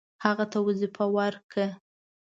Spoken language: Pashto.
هغه ته وظیفه ورکړه.